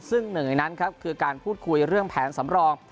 ซึ่งหนึ่งในนั้นครับคือการพูดคุยเรื่องแผนสำรอง